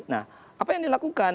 nah apa yang dilakukan